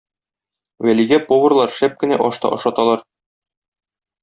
Вәлигә поварлар шәп кенә аш та ашаталар.